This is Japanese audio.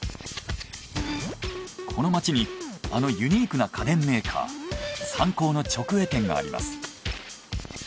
この街にあのユニークな家電メーカーサンコーの直営店があります。